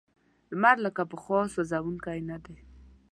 لمر لکه پخوا سوځونکی نه دی.